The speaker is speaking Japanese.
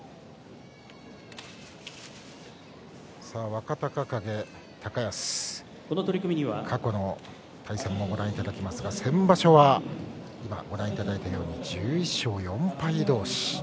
若隆景、高安、過去の対戦もご覧いただきますが先場所は今ご覧いただいたように１１勝４敗同士。